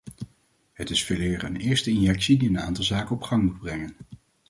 Het is veeleer een eerste injectie die een aantal zaken op gang moet brengen.